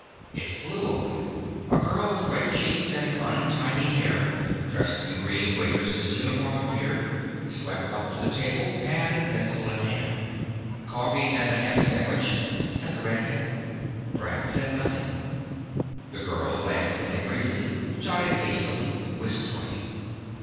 It flew open. A girl with red cheeks and untidy hair, dressed in a green waitress' uniform appeared, swept up to the table, pad and pencil in hand. "Coffee and a ham sandwich," said the red head. Brett said nothing. The girl glanced at him briefly, jotted hastily, whisked away.